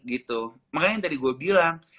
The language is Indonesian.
gitu makanya yang tadi gue bilang